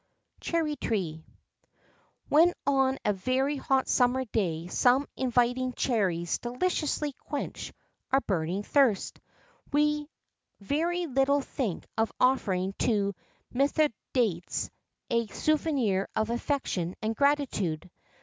CHERRY TREE. When on a very hot summer day some inviting cherries deliciously quench our burning thirst, we very little think of offering to Mithridates a souvenir of affection and gratitude.